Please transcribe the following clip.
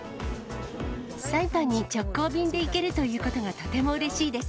サイパンに直行便で行けるということがとてもうれしいです。